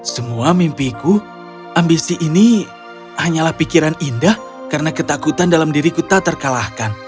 semua mimpiku ambisi ini hanyalah pikiran indah karena ketakutan dalam diriku tak terkalahkan